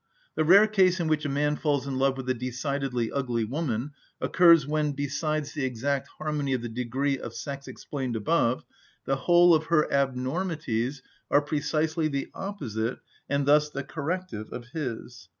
The rare case in which a man falls in love with a decidedly ugly woman occurs when, besides the exact harmony of the degree of sex explained above, the whole of her abnormities are precisely the opposite, and thus the corrective, of his.